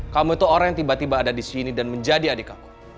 kamu itu orang yang tiba tiba ada di sini dan menjadi adik aku